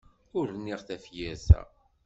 Ur rniɣ tafyirt-a.